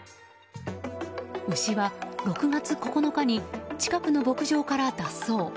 牛は６月９日に近くの牧場から脱走。